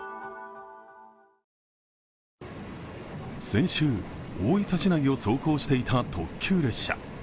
先週、大分市内を走行していた特急列車。